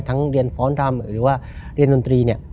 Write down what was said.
เรียนฟ้อนรำหรือว่าเรียนดนตรีเนี่ย